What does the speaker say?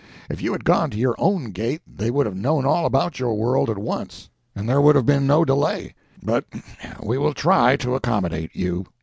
If you had gone to your own gate they would have known all about your world at once and there would have been no delay. But we will try to accommodate you."